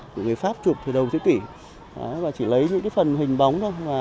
của người pháp chụp từ đầu thế kỷ và chỉ lấy những phần hình bóng thôi